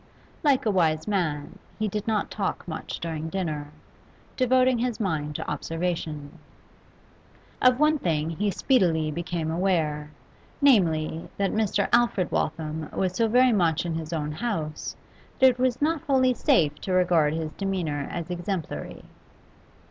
Like a wise man, he did not talk much during dinner, devoting his mind to observation. Of one thing he speedily became aware, namely, that Mr. Alfred Waltham was so very much in his own house that it was not wholly safe to regard his demeanour as exemplary.